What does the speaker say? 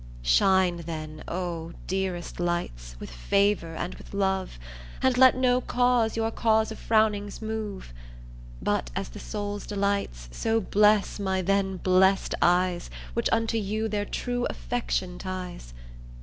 Shine then, O dearest lights, With favour and with love, And let no cause, your cause of frownings move But as the soul's delights So bless my then blessed eyes Which unto you their true affection ties.